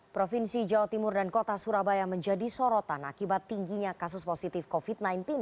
provinsi jawa timur dan kota surabaya menjadi sorotan akibat tingginya kasus positif covid sembilan belas